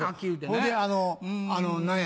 ほいであの何や？